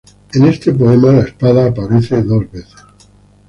En este poema la espada aparece dos veces.